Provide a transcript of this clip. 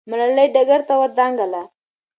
ملالۍ ډګر ته ور دانګله.